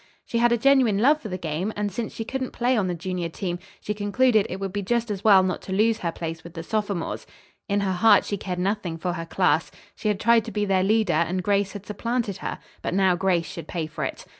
She had a genuine love for the game, and since she couldn't play on the junior team, she concluded it would be just as well not to lose her place with the sophomores. In her heart she cared nothing for her class. She had tried to be their leader, and Grace had supplanted her, but now Grace should pay for it.